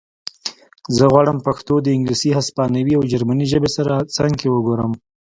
زه غواړم پښتو د انګلیسي هسپانوي او جرمنۍ ژبې سره څنګ کې وګورم